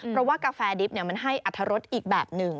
เพราะว่ากาแฟดิบมันให้อัตรรสอีกแบบหนึ่ง